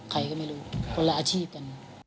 ใครก็ไม่รู้คนละอาชีพกัน